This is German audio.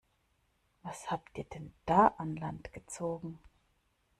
Was habt ihr denn da an Land gezogen?